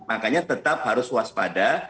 makanya tetap harus waspada